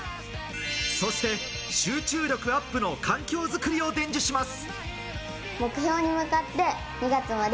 そして集中力アップの環境づくりを伝授します。